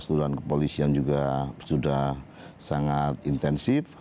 keseluruhan kepolisian juga sudah sangat intensif